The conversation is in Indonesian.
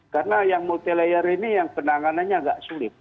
karena yang multi layer ini yang penanganannya agak sulit